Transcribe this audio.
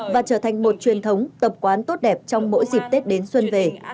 và trở thành một truyền thống tập quán tốt đẹp trong mỗi dịp tết đến xuân về